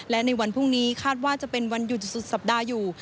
และในวันพรุ่งนี้คาดว่าจะเป็นวันหยุดสุดสัปดาห์อยู่